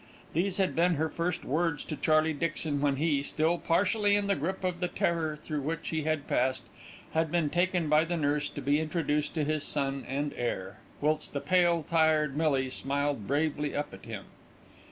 These had been her first words to Charley Dixon when he, still partially in the grip of the terror through which he had passed, had been taken by the nurse to be introduced to his son and heir, whilst a pale, tired Millie smiled bravely up at him.